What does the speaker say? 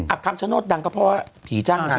อ่ะคำชะโน้ดดังก็เพราะว่าผีจ้างหนัง